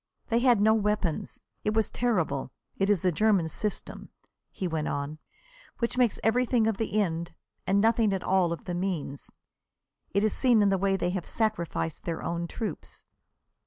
They had no weapons. It was terrible. It is the German system," he went on, "which makes everything of the end, and nothing at all of the means. It is seen in the way they have sacrificed their own troops."